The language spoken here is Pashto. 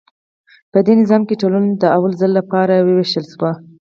په دې نظام کې ټولنه د لومړي ځل لپاره ویشل شوه.